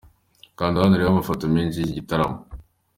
Kanda hano urebe amafoto menshi y’iki gitaramo.